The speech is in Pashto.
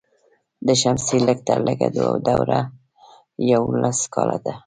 د شمسي لږ تر لږه دوره یوولس کاله ده.